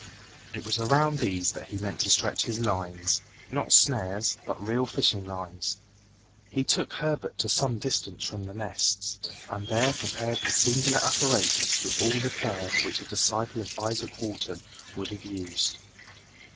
It was around these that he meant to stretch his lines, not snares, but real fishing lines. He took Herbert to some distance from the nests, and there prepared his singular apparatus with all the care which a disciple of Izaak Walton would have used.